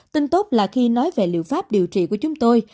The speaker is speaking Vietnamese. tin tốt là khi nói về liệu pháp điều trị của chúng tôi